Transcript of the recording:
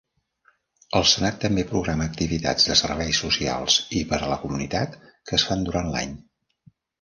El Senat també programa activitats de serveis socials i per a la comunitat que es fan durant l'any.